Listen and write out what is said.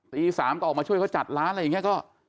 ตี๓ก็ออกมาช่วยเขาจัดร้านอะไรอย่างนี้ก็